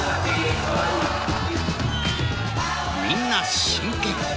みんな真剣。